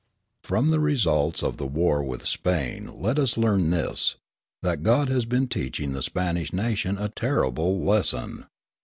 From the results of the war with Spain let us learn this, that God has been teaching the Spanish nation a terrible lesson.